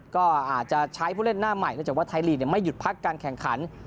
ก็อาจจะใช้ผู้เล่นหน้าใหม่เนื่องจากว่าไทยลีกไม่หยุดพักการแข่งขัน